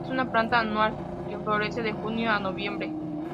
Es una planta anual que florece de junio a noviembre.